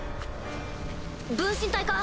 分身体か？